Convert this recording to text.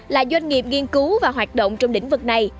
là doanh nghiệp nghiên cứu và hoạt động trong lĩnh vực này